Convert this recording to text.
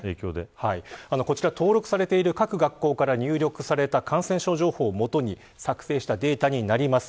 こちら登録されている各学校から入力された感染症情報をもとに作成したデータになります。